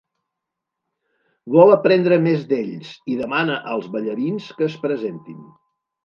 Vol aprendre més d'ells, i demana als ballarins que es presentin.